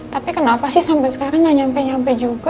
tapi kenapa sih sampai sekarang nggak nyampe nyampe juga